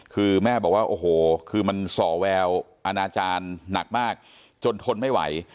คือแม่บอกว่าโอ้โหคือมันส่อแววอาณาจารย์หนักมากจนทนไม่ไหว